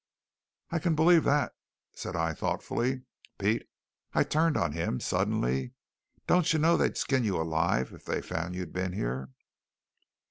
"I can believe that," said I thoughtfully. "Pete," I turned on him suddenly, "don't you know they'd skin you alive if they found out you'd been here?"